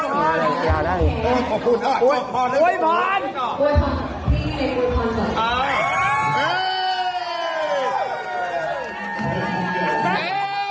คนก็แซวบอกว่างานใคร